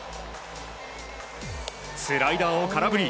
スライダーを空振り。